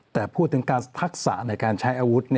แต่พูดถึงการทักษะในการใช้อาวุธ